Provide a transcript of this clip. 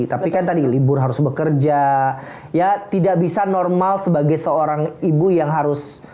tapi kan tadi libur harus bekerja ya tidak bisa normal sebagai seorang ibu yang harus